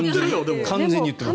完全に言ってます。